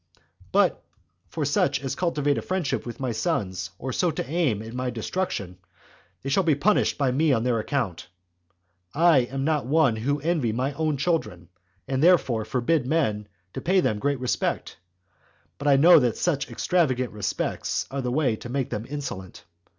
But for such as cultivate a friendship with my sons, so as to aim at my destruction, they shall be punished by me on their account. I am not one who envy my own children, and therefore forbid men to pay them great respect; but I know that such [extravagant] respects are the way to make them insolent.